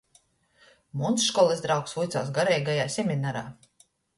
Muns školys draugs vuicuos goreigajā seminarā.